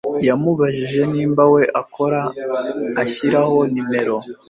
yamubajije nimba we akora ashyiraho nimero